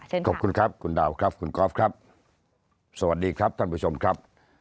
ขอบคุณครับคุณดาวครับคุณกอล์ฟครับสวัสดีครับท่านผู้ชมครับ